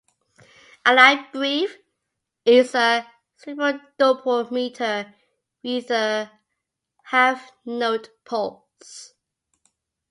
"Alla breve" is a "simple-duple meter with a half-note pulse".